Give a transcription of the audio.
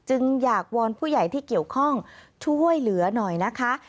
จึงอยากวอนผู้ใหญ่ที่เกี่ยวข้องช่วยเหลือหน่อยนะคะ